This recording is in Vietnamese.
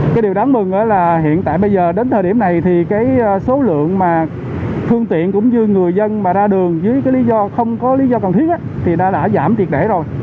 cái điều đáng mừng là hiện tại bây giờ đến thời điểm này thì cái số lượng mà phương tiện cũng như người dân mà ra đường dưới cái lý do không có lý do cần thiết thì đã giảm triệt để rồi